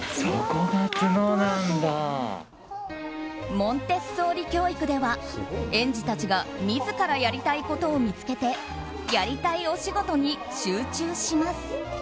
モンテッソーリ教育では園児たちが自らやりたいことを見つけてやりたいおしごとに集中します。